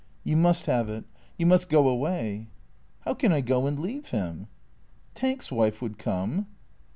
" You must have it. You must go away." " How can I go and leave him ?"" Tank's wife would come."